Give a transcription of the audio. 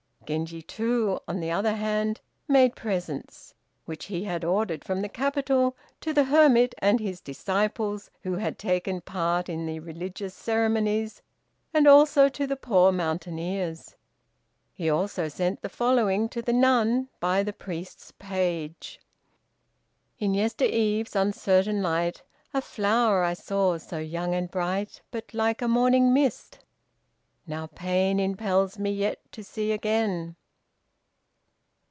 Genji, too, on the other hand, made presents, which he had ordered from the capital, to the hermit and his disciples who had taken part in the religious ceremonies, and also to the poor mountaineers. He also sent the following to the nun, by the priest's page: "In yester eve's uncertain light, A flower I saw so young and bright, But like a morning mist. Now pain Impels me yet to see again."